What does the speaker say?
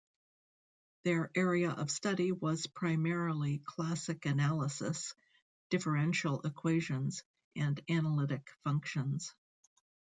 Their area of study was primarily classical analysis, differential equations and analytic functions.